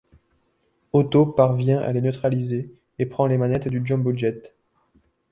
Otto parvient à les neutraliser et prend les manettes du Jumbo Jet.